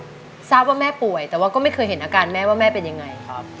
ก็ทราบว่าแม่ป่วยแต่ว่าก็ไม่เคยเห็นอาการแม่ว่าแม่เป็นยังไงครับ